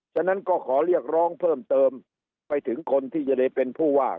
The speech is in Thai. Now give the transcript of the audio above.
ฉะนั้นก็ขอเรียกร้องเพิ่มเติมไปถึงคนที่จะได้เป็นผู้ว่า